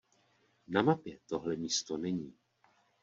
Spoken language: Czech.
Na mapě tohle místo není.